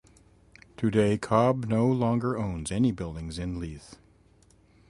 Today, Cobb no longer owns any buildings in Leith.